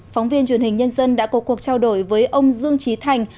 phóng viên truyền hình nhân dân đã có cuộc trao đổi với ông dương trí thành